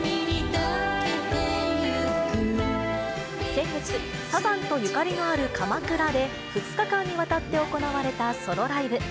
先月、サザンとゆかりのある鎌倉で、２日間にわたって行われたソロライブ。